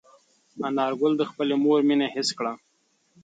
انارګل د خپلې مور مینه حس کړه.